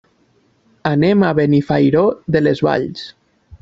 Anem a Benifairó de les Valls.